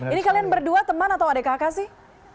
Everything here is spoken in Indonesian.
ini kalian berdua teman atau adek adek sih